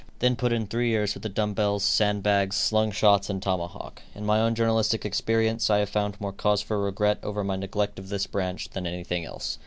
Then put in three years with the dumb bells, sand bags, slung shots and tomahawk. In my own journalistic experience I have found more cause for regret over my neglect of this branch than anything else.